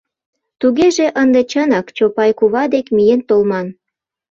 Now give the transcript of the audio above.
— Тугеже ынде чынак Чопай кува дек миен толман.